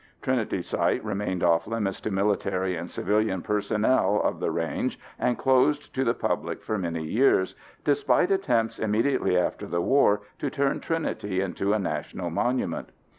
Trinity site remained off limits to military and civilian personnel of the range and closed to the public for many years, despite attempts immediately after the war to turn Trinity into a national monument.